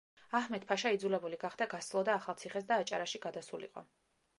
აჰმედ-ფაშა იძულებული გახდა გასცლოდა ახალციხეს და აჭარაში გადასულიყო.